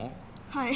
はい。